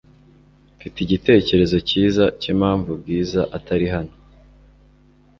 Mfite igitekerezo cyiza cyimpamvu Bwiza atari hano .